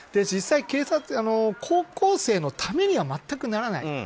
実際、高校生のためには全くならない。